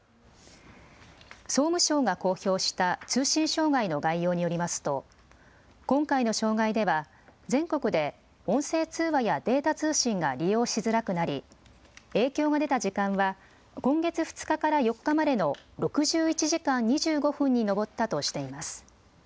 総務省が公表した通信障害の概要によりますと今回の障害では全国で音声通話やデータ通信が利用しづらくなり、影響が出た時間は今月２日から４日までの６１時間２５分に上ったとしています。